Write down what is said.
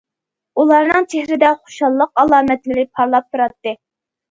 ئۇلارنىڭ چېھرىدە خۇشاللىق ئالامەتلىرى پارلاپ تۇراتتى.